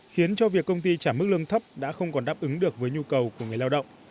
khiến cho việc công ty trả mức lương thấp đã không còn đáp ứng được với nhu cầu của người lao động